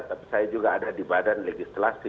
tapi saya juga ada di badan legislasi